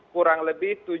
kurang lebih tujuh puluh